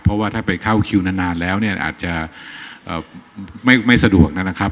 ก็มาเข้าคิวนานแล้วเนี่ยอาจจะไม่สะดวกนะครับ